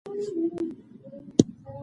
په افغانستان کې د پسرلی تاریخ اوږد دی.